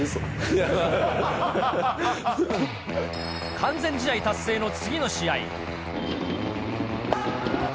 完全試合達成の次の試合